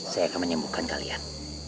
saya akan menyembuhkan kalian